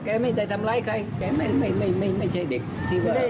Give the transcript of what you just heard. ไม่ได้ทำร้ายใครแกไม่ไม่ใช่เด็กที่ว่า